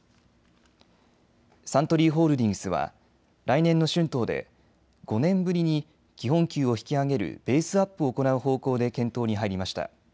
サントリーホールディングスは来年の春闘で５年ぶりに基本給を引き上げるベースアップを行う方向で検討に入りました。